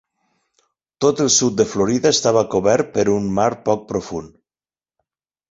Tot el sud de Florida estava cobert per un mar poc profund.